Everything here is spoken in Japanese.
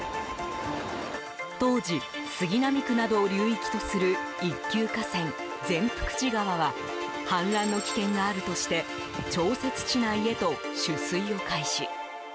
当時、杉並区などを流域とする一級河川、善福寺川は氾濫の危険があるとして調節池内へと取水を開始。